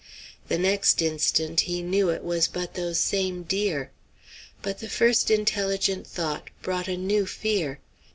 The next instant he knew it was but those same deer. But the first intelligent thought brought a new fear.